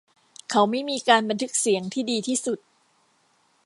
เขาไม่มีการบันทึกเสียงที่ดีที่สุด